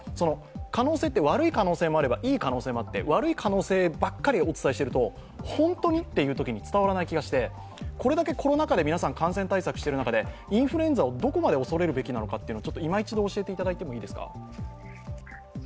可能性は、悪い可能性もあっていい可能性もあって、悪い可能性ばかり伝えていると本当に！っていうときに伝わらない気がしてこれだけコロナ禍で皆さん感染対策している中でインフルエンザをどれだけ恐れるべきなのか今一度教えていただいていいですか。